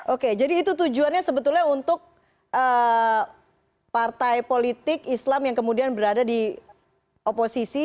oke jadi itu tujuannya sebetulnya untuk partai politik islam yang kemudian berada di oposisi